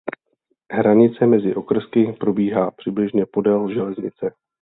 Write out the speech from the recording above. Hranice mezi okrsky probíhá přibližně podél železnice.